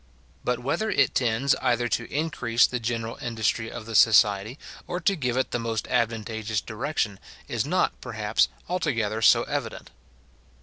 But whether it tends either to increase the general industry of the society, or to give it the most advantageous direction, is not, perhaps, altogether so evident.